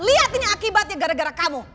lihat ini akibatnya gara gara kamu